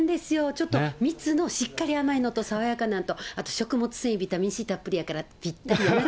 ちょっと蜜のしっかり甘いのと、爽やかなんと、あと食物繊維、ビタミンＣたっぷりだからぴったり。